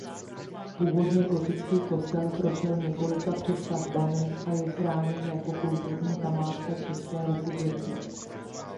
Původně gotický kostel prošel několika přestavbami a je chráněn jako kulturní památka České republiky.